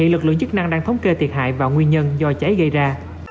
lực lượng chức năng đang thống kê thiệt hại và nguyên nhân do cháy gây ra